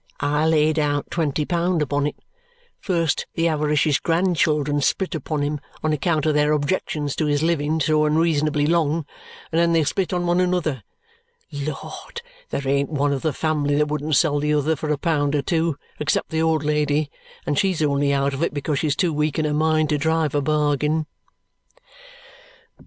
I laid out twenty pound upon it. First the avaricious grandchildren split upon him on account of their objections to his living so unreasonably long, and then they split on one another. Lord! There ain't one of the family that wouldn't sell the other for a pound or two, except the old lady and she's only out of it because she's too weak in her mind to drive a bargain."